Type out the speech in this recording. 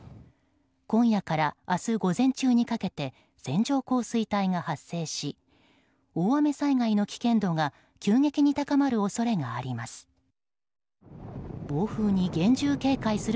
今夜から明日午前中にかけて線状降水帯が発生し大雨災害の危険度が急激に高まる恐れがあります。